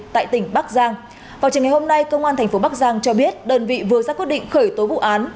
tại tỉnh bắc giang vào trường ngày hôm nay công an thành phố bắc giang cho biết đơn vị vừa ra quyết định khởi tố vụ án